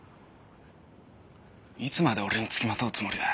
いつまで俺につきまとうつもりだ？